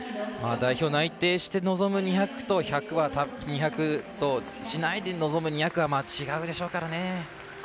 代表内定して臨む２００としないで臨む２００は違うでしょうからね。